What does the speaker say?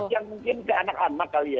yang mungkin ke anak anak kali ya